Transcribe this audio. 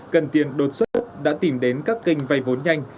cần tiền đột xuất đã tìm đến các kênh vay vốn nhanh